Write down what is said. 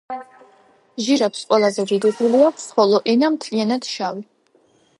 ჟირაფს ყველაზე დიდი გული აქვს, ხოლო ენა – მთლიანად შავი.